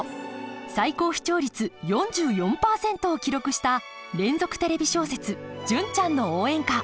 最高視聴率４４％を記録した連続テレビ小説「純ちゃんの応援歌」。